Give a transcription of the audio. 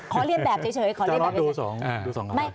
ขอเรียนแบบเฉย